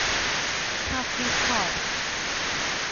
تفریط کار